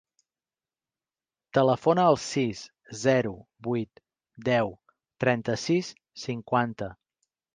Telefona al sis, zero, vuit, deu, trenta-sis, cinquanta.